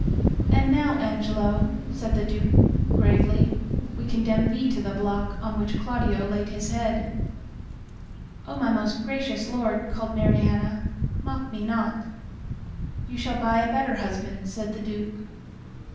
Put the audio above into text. "And now, Angelo," said the Duke, gravely, "we condemn thee to the block on which Claudio laid his head!" "O my most gracious lord," cried Mariana, "mock me not!" "You shall buy a better husband," said the Duke.